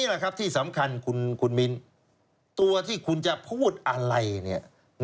ไม่ได้ขายเพราะเอามาเสพอย่างเดียว